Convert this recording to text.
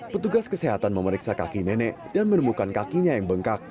petugas kesehatan memeriksa kaki nenek dan menemukan kakinya yang bengkak